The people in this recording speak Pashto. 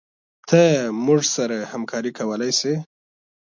ته موږ سره همکارې کولي شي